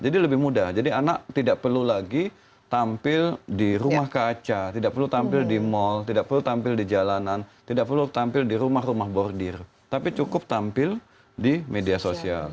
jadi lebih mudah jadi anak tidak perlu lagi tampil di rumah kaca tidak perlu tampil di mall tidak perlu tampil di jalanan tidak perlu tampil di rumah rumah bordir tapi cukup tampil di media sosial